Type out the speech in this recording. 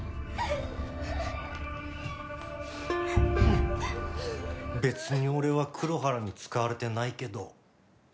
フン別に俺は黒原に使われてないけど。